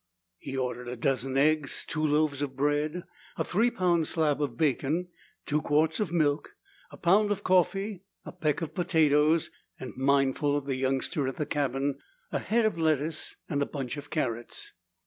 He ordered a dozen eggs, two loaves of bread, a three pound slab of bacon, two quarts of milk, a pound of coffee, a peck of potatoes, and mindful of the youngster at the cabin, a head of lettuce and a bunch of carrots.